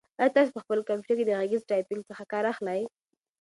آیا تاسو په خپل کمپیوټر کې د غږیز ټایپنګ څخه کار اخلئ؟